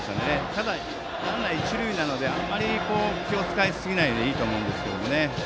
ただ、ランナーは一塁なのであんまり、気を使いすぎないでいいと思うんですけどね。